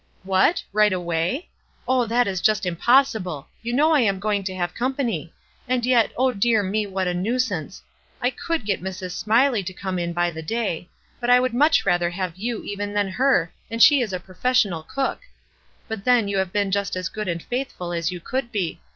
"What — right away? Oh, tliat is just im possible ! You know I am going to have com pany. And yet, oh, dear me, what a nuisance ! I could get Mrs. Smiley to come in by the day ; but I would much rather have you even than her, and she is a professional cook. But then you have been just as good and faithful as you could be.